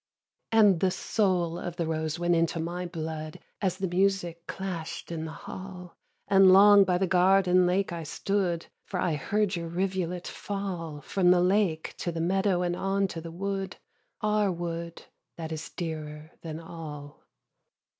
And the soul of the rose went into my blood, As the music clash'd in the hall; And long by the garden lake I stood. For I heard your rivulet fall From the lake to the meadow and on to the wood, Our wood, that is dearer than all; 7.